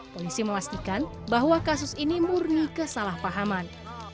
polisi memastikan bahwa kasus ini murni kesalahpahaman